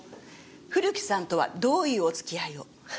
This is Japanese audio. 古木さんとはどういうお付き合いを？